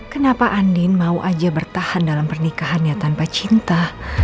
kenapa andin mau aja bertahan dalam pernikahannya tanpa cinta